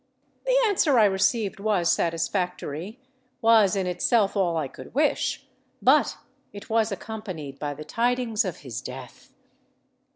The answer I received was satisfactory—was in itself all I could wish;—but it was accompanied by the tidings of his death!